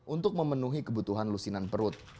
untuk memenuhi kebutuhan lusinan perut